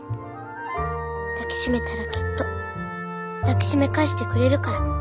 抱き締めたらきっと抱き締め返してくれるから。